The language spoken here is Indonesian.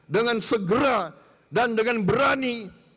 dengan segera dan dengan berani